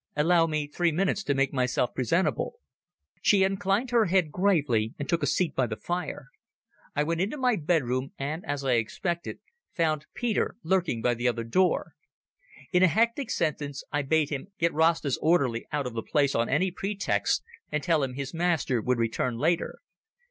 Allow me three minutes to make myself presentable." She inclined her head gravely and took a seat by the fire. I went into my bedroom, and as I expected found Peter lurking by the other door. In a hectic sentence I bade him get Rasta's orderly out of the place on any pretext, and tell him his master would return later.